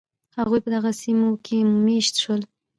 هغوی په دغو سیمو کې مېشت شول.